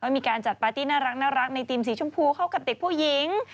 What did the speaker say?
มีการจัดปาร์ตี้น่ารักในทีมสีชมพูเข้ากับเด็กผู้หญิง